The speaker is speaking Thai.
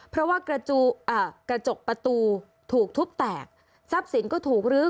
เพราะว่ากระจกประตูถูกทุบแตกทรัพย์สินก็ถูกลื้อ